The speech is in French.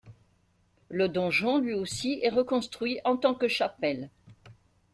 Le donjon lui aussi est reconstruit en tant que chapelle.